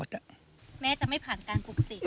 แม้จะไม่ผ่านการปลูกเสก